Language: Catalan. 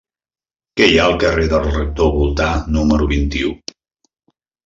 Què hi ha al carrer del Rector Voltà número vint-i-u?